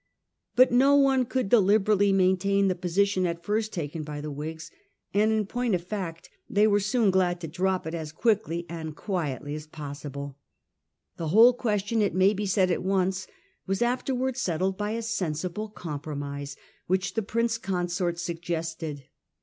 But no one could deliberately maintain the posi tion at first taken up by the Whigs ; and in point of fact they were soon glad to drop it as quickly and quietly as possible. The whole question, it may be said at once, was afterwards settled by a sensible compromise which the Prince Consort suggested.